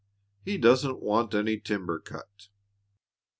He doesn't want any timber cut."